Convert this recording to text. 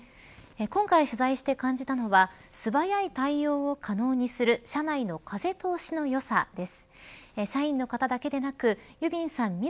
今回取材して感じたのは素早い対応を可能にする社内の風通しのよさです。